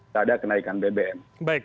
tak ada kenaikan bbm